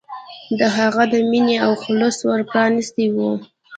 د هغه د مینې او خلوص ور پرانستی و.